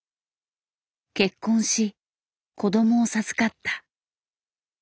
結婚し子どもを授かった。